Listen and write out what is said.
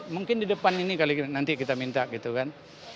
mungkin di depan ini kali nanti kita minta gitu kan